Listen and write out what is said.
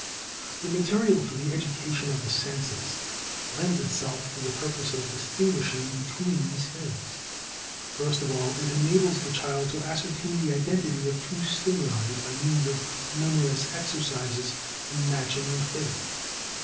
The material for the education of the senses lends itself to the purpose of distinguishing between these things. First of all it enables the child to ascertain the identity of two stimuli by means of numerous exercises in matching and fitting.